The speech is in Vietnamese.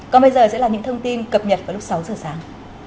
còn bây giờ sẽ là những thông tin cập nhật vào lúc sáu giờ sáng